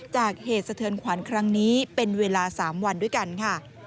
เหตุสะเทือนขวัญครั้งนี้เป็นเวลา๓วันด้วยกันค่ะ